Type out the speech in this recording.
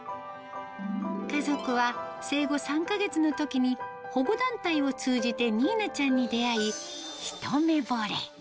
家族は生後３か月のときに、保護団体を通じて、ニーナちゃんに出会い、一目ぼれ。